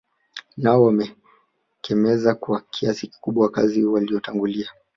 Nao wakameza kwa kiasi kikubwa wakazi waliotangulia